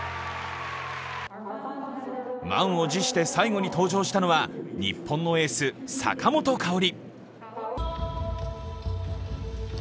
満を持して最後に登場したのは、日本のエース・坂本花織。